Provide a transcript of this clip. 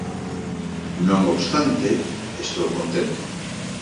Non obstante, estou contento.